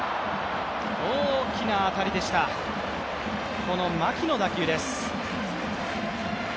大きな当たりでした、この牧の打球です。